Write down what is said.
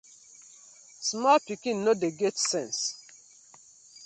Small pikin no dey get sense.